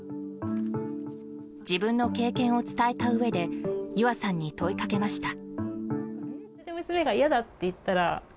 自分の経験を伝えたうえで結愛さんに問いかけました。